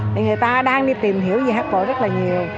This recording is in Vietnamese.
thì người ta đang đi tìm hiểu về hát bội rất là nhiều